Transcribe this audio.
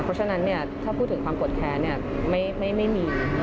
เพราะฉะนั้นเนี่ยถ้าพูดถึงความปลอดภัยเนี่ยไม่มี